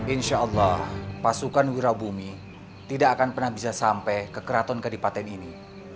insya allah pasukan wirabumi tidak akan pernah bisa sampai ke keraton kadipaten ini